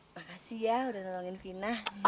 makasih ya udah nolongin fina